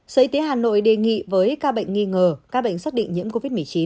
sở y tế hà nội đề nghị với ca bệnh nghi ngờ các bệnh xác định nhiễm covid một mươi chín